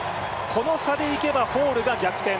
この差でいけば、ホールが逆転。